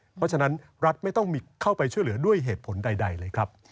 เพราะฉะนั้นรัฐไม่ต้องเข้าไปช่วยเหลือด้วยเหตุผลใดเลยครับ